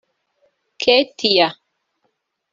Ketia